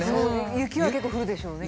雪は結構降るでしょうね。